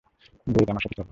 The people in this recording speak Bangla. গেজ, আমার সাথে চলো।